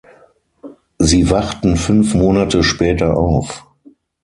Sie wachten fünf Monate später auf.